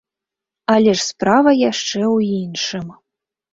Але ж справа яшчэ ў іншым.